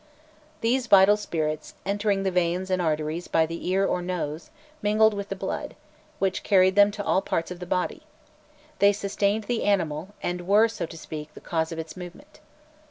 These vital spirits, entering the veins and arteries by the ear or nose, mingled with the blood, which carried them to all parts of the body; they sustained the animal, and were, so to speak, the cause of its movement.